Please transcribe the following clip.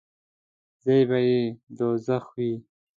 ځای به یې دوږخ وي.